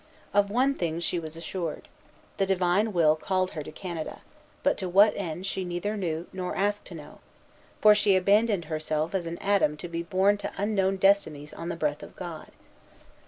Of one thing she was assured: the Divine will called her to Canada, but to what end she neither knew nor asked to know; for she abandoned herself as an atom to be borne to unknown destinies on the breath of God.